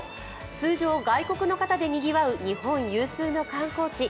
通常、外国の方でにぎわう日本有数の観光地。